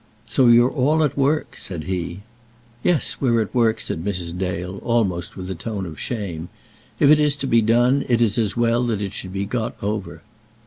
"So you're all at work," said he. "Yes, we're at work," said Mrs. Dale, almost with a tone of shame. "If it is to be done it is as well that it should be got over."